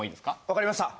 わかりました。